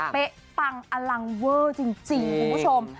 เป๊ะปังอลังเวอร์จริงคุณผู้ชม